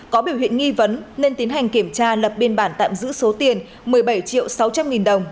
có biểu hiện nghi vấn nên tiến hành kiểm tra lập biên bản tạm giữ số tiền một mươi bảy triệu sáu trăm linh nghìn đồng